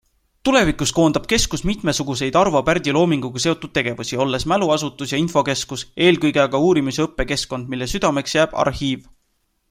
Tulevikus koondab keskus mitmesuguseid Arvo Pärdi loominguga seotud tegevusi, olles mäluasutus ja infokeskus, eelkõige aga uurimis- ja õppekeskkond, mille südameks jääb arhiiv.